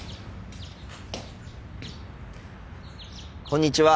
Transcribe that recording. こんにちは。